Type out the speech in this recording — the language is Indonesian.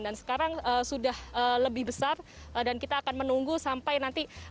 dan sekarang sudah lebih besar dan kita akan menunggu sampai nanti berbentuk sabit